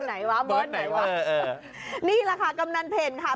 ตามไอ้เจ้าก่อนมาก่อนครับ